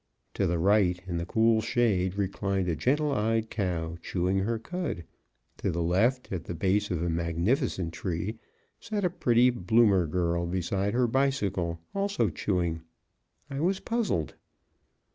To the right, in the cool shade, reclined a gentle eyed cow, chewing her cud; to the left, at the base of a magnificent tree, sat a pretty bloomer girl beside her bicycle, also chewing. I was puzzled.